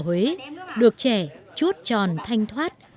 rất nhiều ở huế được trẻ chuốt tròn thanh thoát